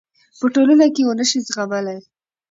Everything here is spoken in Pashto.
پـه ټـولـنـه کـې ونشـي زغـملـى .